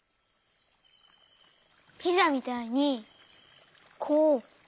ピザみたいにこうわける？